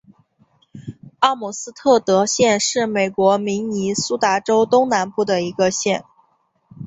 奥姆斯特德县是美国明尼苏达州东南部的一个县。